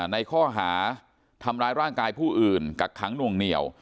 ในข้อหาทำร้ายร่างกายผู้อื่นกักขังหน่วงเหนียว